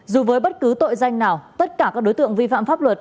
dù với bất cứ tội danh nào tất cả các đối tượng vi phạm pháp luật